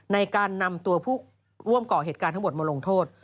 ในการนำตัวผู้ร่วมก่อเหตุการณ์ทั้งหมดมาลงโทษ